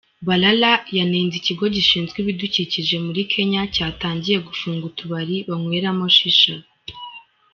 Balala yanenze Ikigo gishinzwe ibidukikije muri Kenya cyatangiye gufunga utubari banyweramo shisha.